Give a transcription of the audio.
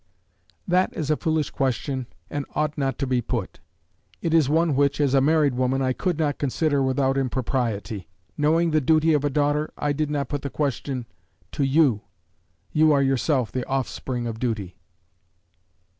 "That is a foolish question, and ought not to be put. It is one which, as a married woman, I could not consider without impropriety. Knowing the duty of a daughter, I did not put the question to you. You are yourself the offspring of duty."